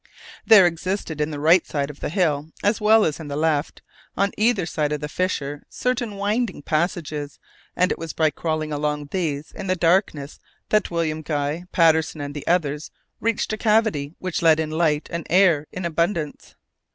There existed in the right side of the hill, as well as in the left, on either side of the fissure, certain winding passages, and it was by crawling along these in the darkness that William Guy, Patterson, and the others reached a cavity which let in light and air in abundance.